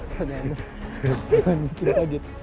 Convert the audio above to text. jangan bikin kaget